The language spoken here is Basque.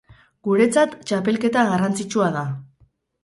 Guretzat txapelketa garrantzitsua da.